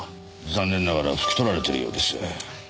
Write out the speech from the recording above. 残念ながら拭き取られているようです。